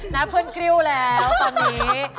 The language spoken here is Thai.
น้ำพื้นกริ้วแล้วตอนนี้